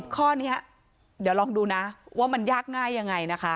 ข้อนี้เดี๋ยวลองดูนะว่ามันยากง่ายยังไงนะคะ